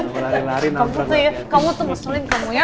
kamu tuh kamu tuh masalahin kamu ya